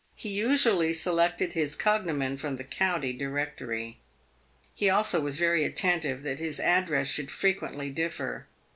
He usually selected his cog nomen from the County Directory. He also was very attentive that his address should frequently differ.